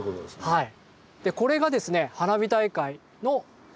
はい。